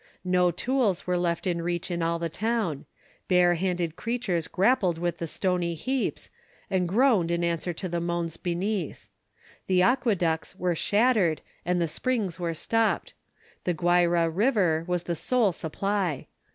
No tools were left in reach in all the town; bare handed creatures grappled with the stony heaps, and groaned in answer to the moans beneath. The aqueducts were shattered and the springs were stopped; the Guayra River was the sole supply.